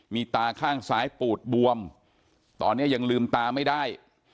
มีตาข้างซ้ายปูดบวมตอนนี้ยังลืมตาไม่ได้